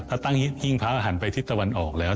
ก็ตั้งหิ้งพระหันไปทิศตะวันออกแล้ว